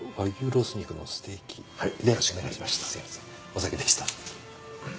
お先でした。